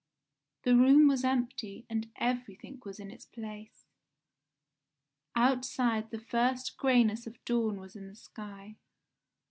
The room was empty and everything was in its place. Outside the first greyness of dawn was in the sky.